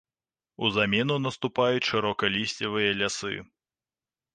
У замену наступаюць шырокалісцевыя лясы.